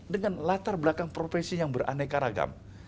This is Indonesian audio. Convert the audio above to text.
dengan latar belakang profesi yang beraneka ragam